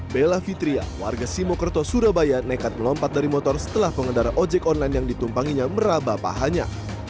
bella fitria warga simokerto surabaya nekat melompat dari motor setelah pengendara ojek online yang ditumpanginya merabah pahanya